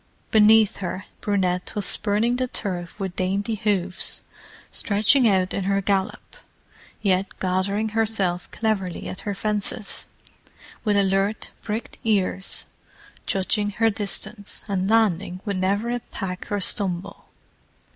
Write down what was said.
Beneath her Brunette was spurning the turf with dainty hooves; stretching out in her gallop, yet gathering herself cleverly at her fences, with alert, pricked ears—judging her distance, and landing with never a peck or stumble.